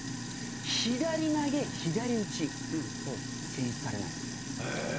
左投げ左打ち選出されないんですよ。